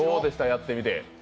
やってみて。